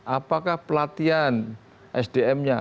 apakah pelatihan sdm nya